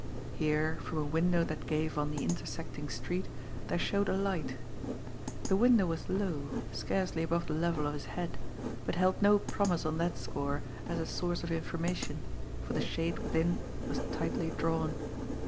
Here, from a window that gave on the intersecting street, there showed a light. The window was low, scarcely above the level of his head, but held no promise on that score as a source of information, for the shade within was tightly drawn.